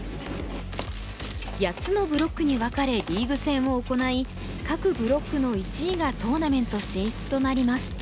８つのブロックに分かれリーグ戦を行い各ブロックの１位がトーナメント進出となります。